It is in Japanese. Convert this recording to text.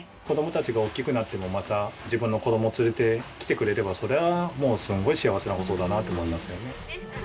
子供たちが大きくなってもまた自分の子供を連れてきてくれればそれはもうすごい幸せな事だなと思いますよね。